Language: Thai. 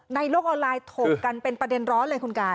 ในโลกออนไลน์ถกกันเป็นประเด็นร้อนเลยคุณกาย